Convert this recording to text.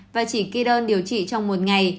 và chỉ kê đơn điều trị trong một ngày